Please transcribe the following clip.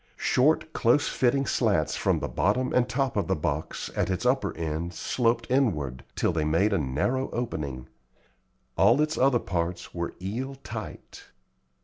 Short, close fitting slats from the bottom and top of the box, at its upper end, sloped inward, till they made a narrow opening. All its other parts were eel tight.